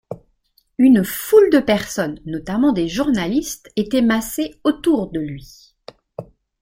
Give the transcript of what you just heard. Une foule de personnes, notamment des journalistes, était massée autour de lui.